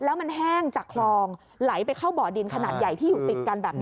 แล้วมันแห้งจากคลองไหลไปเข้าบ่อดินขนาดใหญ่ที่อยู่ติดกันแบบนี้